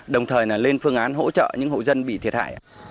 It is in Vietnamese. đồng thời lên phương án hỗ trợ những hộ dân bị thiệt hại